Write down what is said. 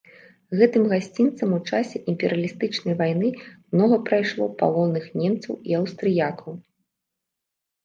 Гэтым гасцінцам у часе імперыялістычнай вайны многа прайшло палонных немцаў і аўстрыякаў.